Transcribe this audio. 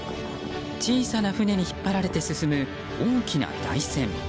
小さな船に引っ張られて進む大きな台船。